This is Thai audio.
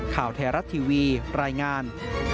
ข่าวไทยรัฐทีวีรายงาน